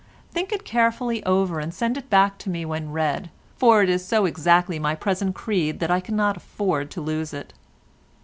Think it carefully over and send it back to me when read, for it is so exactly my present creed that I cannot afford to lose it.